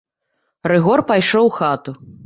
Рыгор пайшоў у хату.